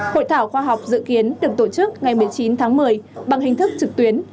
hội thảo khoa học dự kiến được tổ chức ngày một mươi chín tháng một mươi bằng hình thức trực tuyến